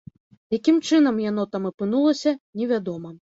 Якім чынам яно там апынулася, невядома.